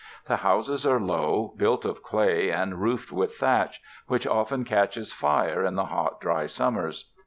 The houses are low, built of clay and roofed with thatch, which often catches fire in the hot, dry summers.